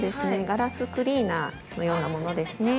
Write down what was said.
ガラスクリーナーのようなものですね。